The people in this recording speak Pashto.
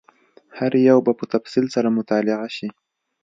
هر یو به په تفصیل سره مطالعه شي.